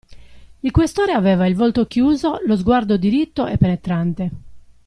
Il Questore aveva il volto chiuso, lo sguardo diritto e penetrante.